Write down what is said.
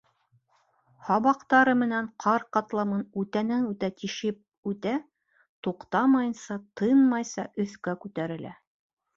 Һабаҡтары менән ҡар ҡатламын үтәнән-үтә тишеп үтә, туҡтамайынса, тынмайса, өҫкә күтәрелә.